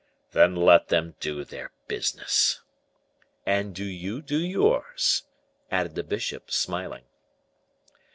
"Then let them do their business." "And do you do yours," added the bishop, smiling.